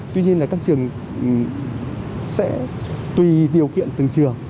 tuy nhiên là các trường sẽ tùy điều kiện từng trường